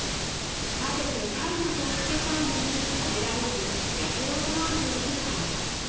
食べて体力をつけたいのに食べられずやせ衰えていく体。